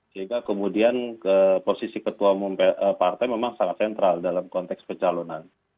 sehingga kemudian posisi ketua umum partai memang sangat sentral dalam konteks pencalonan